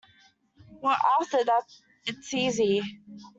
Well, after that it's easy.